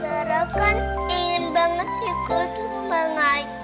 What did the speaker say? sarah kan ingin banget ikut lomba ngajik